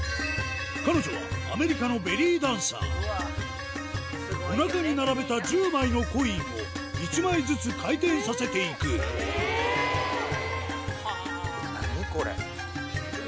彼女はアメリカのおなかに並べた１０枚のコインを１枚ずつ回転させていくスゴい！